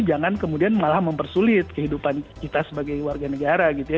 jangan kemudian malah mempersulit kehidupan kita sebagai warga negara gitu ya